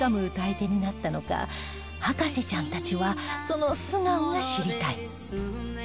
博士ちゃんたちはその素顔が知りたい！